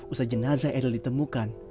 usaha jenazah eri ditemukan